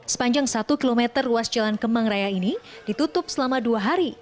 sepanjang satu km ruas jalan kemang raya ini ditutup selama dua hari